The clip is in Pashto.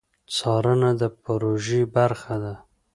څارنه د پروژې برخه ده